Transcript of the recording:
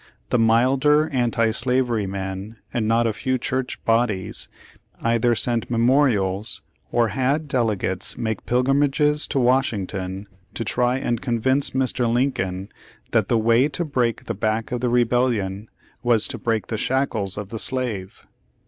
The milder anti slavery men, and not a few church bodies, either sent mem.orials or had delegates make pilgrimages to Washington to try and convince Mr. Lincoln that the way to break the back of the rebellion was to break the shackles of the slave.